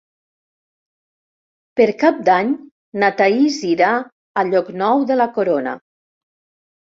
Per Cap d'Any na Thaís irà a Llocnou de la Corona.